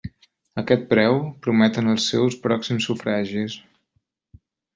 A aquest preu, prometen els seus pròxims sufragis.